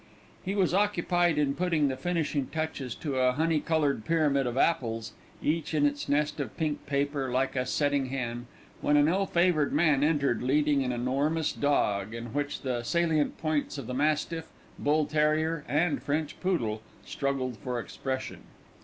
He was occupied in putting the finishing touches to a honey coloured pyramid of apples, each in its nest of pink paper like a setting hen, when an ill favoured man entered leading an enormous dog, in which the salient points of the mastiff, bull terrier, and French poodle struggled for expression.